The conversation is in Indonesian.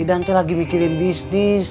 idan tuh lagi mikirin bisnis